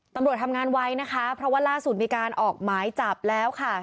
ตำรวจทำงานไว้นะคะเพราะว่าล่าสุดมีการออกหมายจับแล้วค่ะ